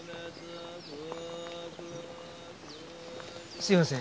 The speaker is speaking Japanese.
すいません。